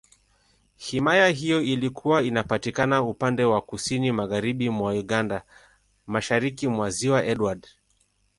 Himaya hiyo ilikuwa inapatikana upande wa Kusini Magharibi mwa Uganda, Mashariki mwa Ziwa Edward.